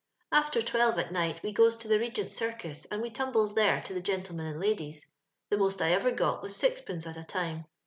" After twelve at night we goes to the Be gent's Circus, and we tumbles there to the gentlemen and ladies. The most I ever ^ was sixpence at a time.